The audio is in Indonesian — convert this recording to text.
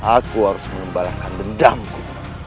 aku harus membalaskan dendamku